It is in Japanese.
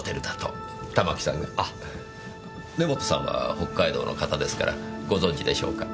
根元さんは北海道の方ですからご存じでしょうか？